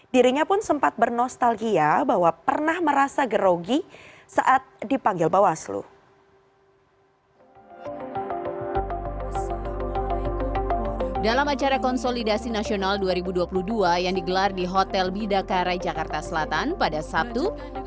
dirinya pun sempat bernostalgia bahwa pernah merasa gerogi saat dipanggil bawaslu